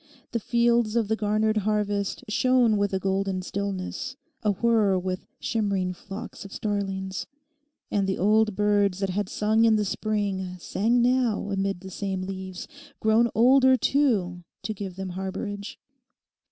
The fields of the garnered harvest shone with a golden stillness, awhir with shimmering flocks of starlings. And the old birds that had sung in the spring sang now amid the same leaves, grown older too to give them harbourage.